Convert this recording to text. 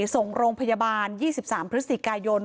ส่งโรงพยาบาล๒๓พฤศจิกายน